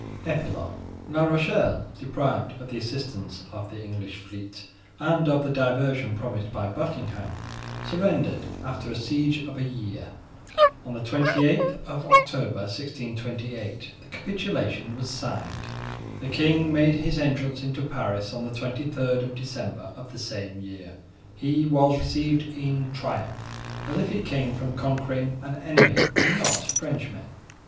EPILOGUE La Rochelle, deprived of the assistance of the English fleet and of the diversion promised by Buckingham, surrendered after a siege of a year. On the twenty eighth of October, 1628, the capitulation was signed. The king made his entrance into Paris on the twenty third of December of the same year. He was received in triumph, as if he came from conquering an enemy and not Frenchmen.